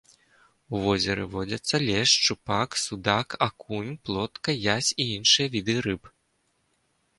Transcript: У возеры водзяцца лешч, шчупак, судак, акунь, плотка, язь і іншыя віды рыб.